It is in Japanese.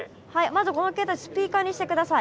まずこの携帯スピーカーにして下さい。